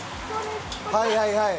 はいはいはい。